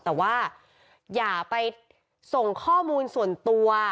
แต่ว่าอย่าไปส่งข้อมูลส่วนตัว